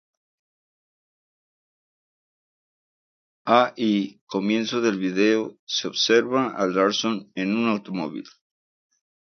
Al comienzo del vídeo, se observa a Larsson en automóvil.